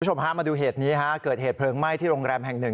คุณผู้ชมฮะมาดูเหตุนี้ฮะเกิดเหตุเพลิงไหม้ที่โรงแรมแห่งหนึ่ง